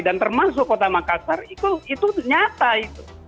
dan termasuk kota makassar itu nyata itu